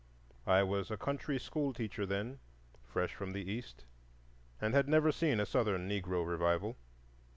I was a country schoolteacher then, fresh from the East, and had never seen a Southern Negro revival.